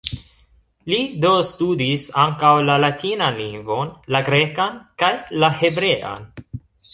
Li, do, studis ankaŭ la latinan lingvon, la grekan kaj la hebrean.